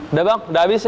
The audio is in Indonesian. udah bang udah habis ini